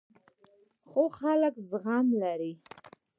خو خلک زغم لري.